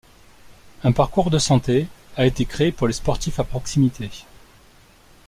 Un parcours de santé a été créé pour les sportifs à proximité.